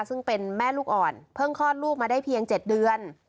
ซึ่งเป็นแม่ลูกอ่อนเพิ่งคลอดลูกมาได้เพียง๗เดือน